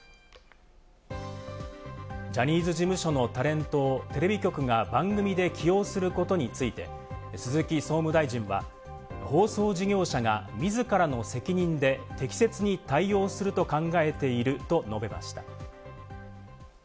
ジャニーズ事務所のタレントをテレビ局が番組で起用することについて鈴木総務大臣は、放送事業者が自らの責任で適切に対応すると考えていると述べました。